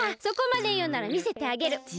そこまでいうならみせてあげる。